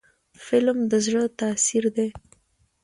فلم د زړه تاثیر دی